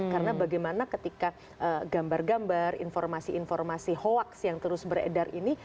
karena bagaimana ketika gambar gambar informasi informasi hoax yang terus beredar ini